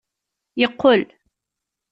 Yeqqel.